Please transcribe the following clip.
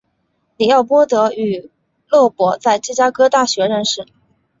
李奥波德与勒伯在芝加哥大学认识。